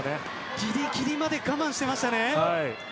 ぎりぎりまで我慢してましたね。